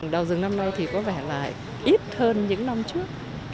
đào rừng năm nay thì có vẻ là ít hơn những năm trước